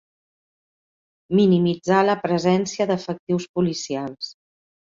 Minimitzar la presència d'efectius policials.